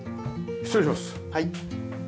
失礼します。